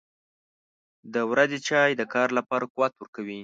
• د ورځې چای د کار لپاره قوت ورکوي.